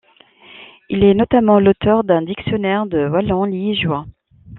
Il est notamment l'auteur d'un dictionnaire de wallon liégeois.